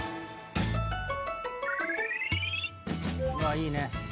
いいね。